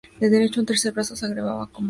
Un tercer brazo se agregaba como opcional.